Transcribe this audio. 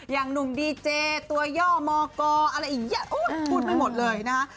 อย่างหนุ่มดีเจตัวย่อมกอะไรอย่างนี้พูดไม่หมดเลยนะคะ